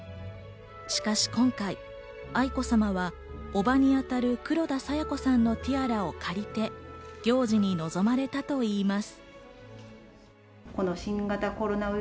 しかし今回、愛子さまは叔母に当たる黒田清子さんのティアラを借りて行事に臨まれたといいます。